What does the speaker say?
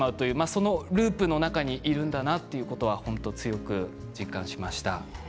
そのループの中にいるんだなと強く実感しました。